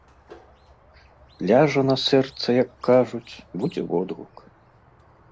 Ляжа на сэрца, як кажуць, будзе водгук.